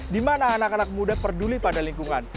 di mana anak anak muda peduli pada lingkungan